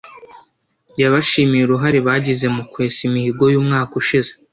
yabashimiye uruhare bagize mu kwesa Imihigo y’umwaka ushize